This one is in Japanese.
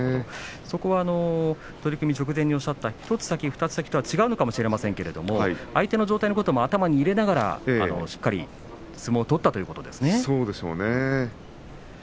そこは取組直前におっしゃった１つ先２つ先とは違うのかもしれませんけど相手の状態のことも頭に入れながら、しっかりそうでしょうね。